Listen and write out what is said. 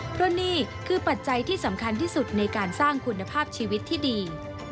เพราะนี่คือปัจจัยที่สำคัญที่สุดในการสร้างคุณภาพชีวิตที่ดี